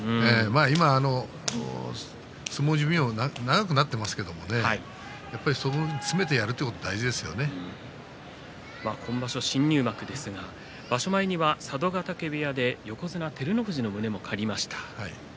今、相撲寿命は長くなっていますけれどもそこで詰めてやる今場所、新入幕ですが場所前には佐渡ヶ嶽部屋で横綱照ノ富士の胸も借りました。